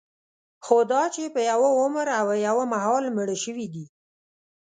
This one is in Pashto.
خوداچې په یوه عمر او یوه مهال مړه شوي دي.